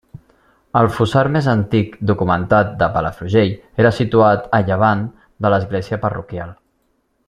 El fossar més antic documentat de Palafrugell era situat a llevant de l'església parroquial.